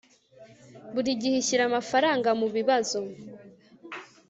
buri gihe ishyira amafaranga mubibazo